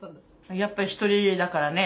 やっぱり独りだからね。